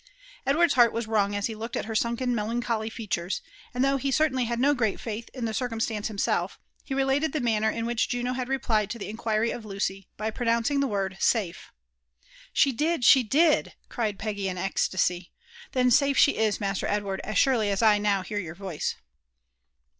Edward's heart was wrung as he looked at her sunken, melancholy features ; and though he certainly had no great faith in the circumstance himself, he related the manner in which Juno had replied to the inquiry of Lucy, by pro nouncing the word "Safe." " She did! she did!" cried Peggy in an ecstasy. " Then safe she is, Master Edward, as surely as I now hear your voice."